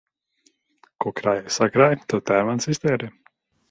Ko krājējs sakrāj, to tērmanis iztērē.